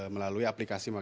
melalui aplikasi memantau